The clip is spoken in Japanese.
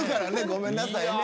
ごめんなさい。